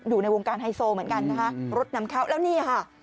อยู่ในวงการไฮโซเหมือนกันนะคะรถนำเข้าแล้วนี่ค่ะ